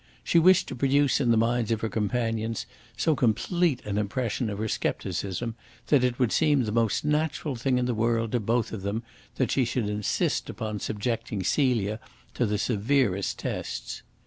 She wished to produce in the minds of her companions so complete an impression of her scepticism that it would seem the most natural thing in the world to both of them that she should insist upon subjecting Celia to the severest tests.